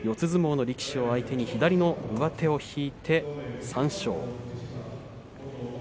相撲の力士相手に左の上手を引いて、３勝。